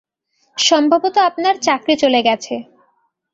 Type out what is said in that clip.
সম্ভবত আপনার চাকরি চলে গেছে।